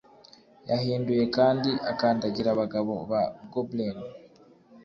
Yahinduye kandi akandagira abagabo ba goblin